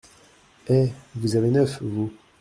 Eh ! vous avez neuf, vous !